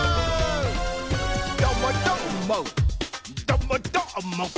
「どもどーもどもどーも」